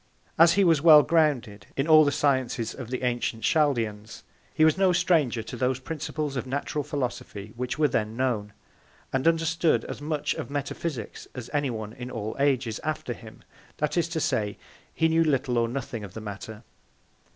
As he was well grounded, in all the Sciences of the antient Chaldeans, he was no Stranger to those Principles of Natural Philosophy, which were then known: And understood as much of Metaphysics as any one in all Ages after him; that is to say, he knew little or nothing of the Matter.